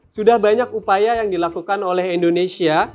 sudah banyak upaya yang dilakukan oleh indonesia